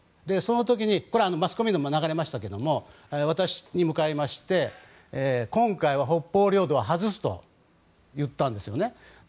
その時にこれはマスコミにも流れましたが私に向かいまして今回は北方領土は外すと言ったんですよね。